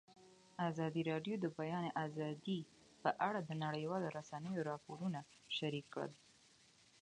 ازادي راډیو د د بیان آزادي په اړه د نړیوالو رسنیو راپورونه شریک کړي.